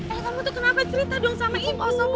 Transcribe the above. el kamu tuh kenapa cerita dong sama ibu